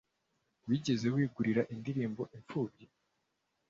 Wigeze wegurira indirimbo imfubyi?